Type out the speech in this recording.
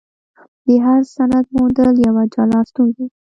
د هر سند موندل یوه جلا ستونزه وه.